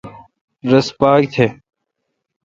رس پاک تھ۔